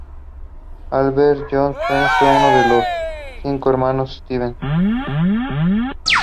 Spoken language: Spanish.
Albert John Stevens fue uno de los cinco hermanos Stevens.